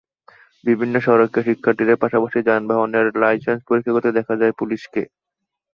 বিভিন্ন সড়কে শিক্ষার্থীদের পাশাপাশি যানবাহনের লাইসেন্স পরীক্ষা করতে দেখা যায় পুলিশকে।